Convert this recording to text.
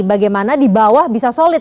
bagaimana di bawah bisa solid